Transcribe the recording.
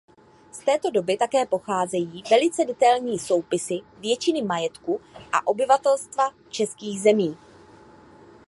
Z této doby také pocházejí velice detailní soupisy většiny majetku a obyvatelstva českých zemí.